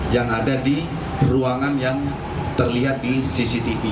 yang ada di ruangan yang terlihat di cctv